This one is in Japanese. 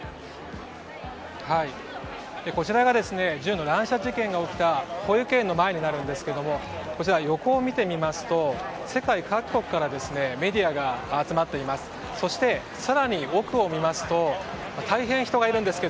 こちらが銃の乱射事件が起きた保育園の前になりますが横を見てみると世界各国からメディアが集まっています。